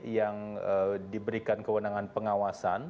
yang diberikan kewenangan pengawasan